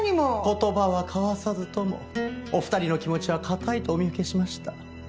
言葉は交わさずともお二人の気持ちは固いとお見受けしました。